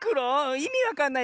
いみわかんない。